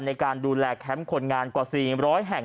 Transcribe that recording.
ในการดูแลแคมป์คนงานกว่า๔๐๐แห่ง